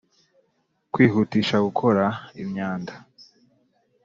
kwihutisha gukora imyanda